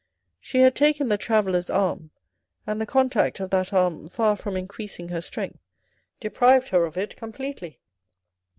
She had taken the traveller's arm, and the contact of that arm, far from increasing her strength, deprived her of it completely.